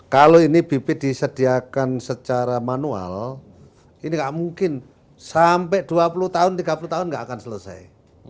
kalau ini bibit disediakan secara manual ini tidak mungkin sampai dua puluh tahun tiga puluh tahun nggak akan selesai